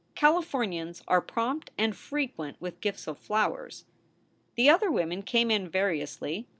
Calif ornians are prompt and frequent with gifts of flowers. The other women came in variously.